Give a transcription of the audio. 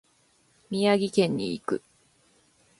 宮城県に行く。